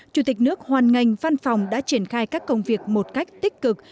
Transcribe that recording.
chủ tịch nước hoàn ngành văn phòng đã triển khai các công việc một cách tích cực